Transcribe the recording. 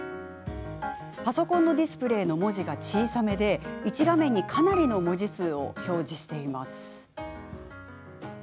パソコンのディスプレーの文字が小さめで１画面に、かなりの文字数を表示しています。